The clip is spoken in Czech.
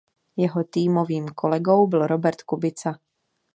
Jeho týmovým kolegou byl Robert Kubica.